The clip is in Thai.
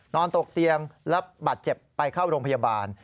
ตกเตียงและบาดเจ็บไปเข้าโรงพยาบาล